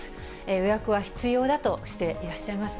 予約は必要だとしていらっしゃいます。